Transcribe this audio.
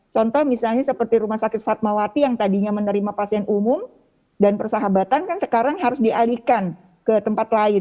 contoh misalnya seperti rumah sakit fatmawati yang tadinya menerima pasien umum dan persahabatan kan sekarang harus dialihkan ke tempat lain